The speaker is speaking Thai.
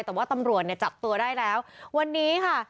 แต่ว่าตำรวจเนี่ยจับตัวได้แล้ววันนี้ค่ะ